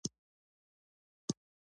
غواړم چې ستا پور ورکړم.